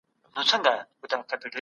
هغه په باغ کي لوبي کولي.